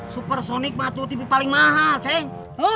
supersonik mah itu tipe paling mahal ceng